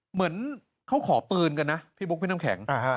เหมือนเขาขอปืนกันนะพี่บุ๊คพี่น้ำแข็ง